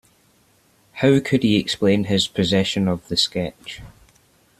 How could he explain his possession of the sketch.